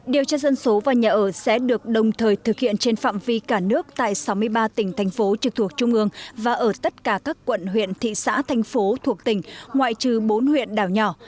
điều tra dân số và nhà ở sẽ được đồng thời thực hiện trên phạm vi cả nước tại sáu mươi ba tỉnh thành phố trực thuộc trung ương và ở tất cả các quận huyện thị xã thành phố thuộc tỉnh ngoại trừ bốn huyện đảo nhỏ